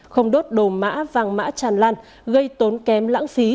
không đốt đồ mã vàng mã tràn lan gây tốn kém lãng phí